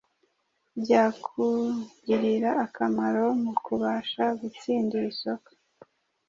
byakugirira akamaro mu kubasha gutsindira isoko